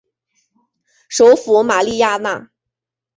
首府玛利亚娜。